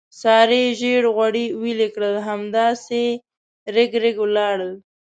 سارې زېړ غوړي ویلې کړل، همداسې رېګ رېګ ولاړل.